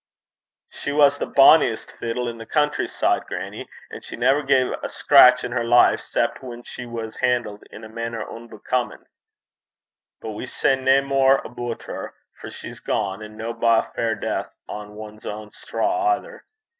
'She was the bonniest fiddle i' the country side, grannie. And she never gae a scraich in her life 'cep' whan she was han'let in a mainner unbecomin'. But we s' say nae mair aboot her, for she's gane, an' no by a fair strae deith (death on one's own straw) either.